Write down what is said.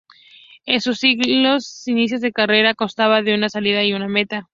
En sus inicios la carrera constaba de una salida y una meta.